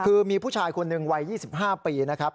คือมีผู้ชายคนหนึ่งวัย๒๕ปีนะครับ